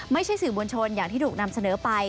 ไม่ใช่สื่อมวลชนอย่างที่ถูกนำเสนอไป